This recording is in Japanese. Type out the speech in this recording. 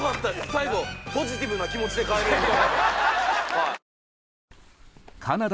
最後ポジティブな気持ちで帰れるんだ。